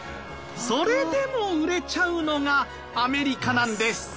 それでも売れちゃうのがアメリカなんです。